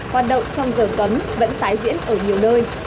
hoạt động trong giờ cấm vẫn tái diễn ở nhiều nơi